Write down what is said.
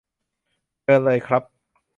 เชิญเลยครับ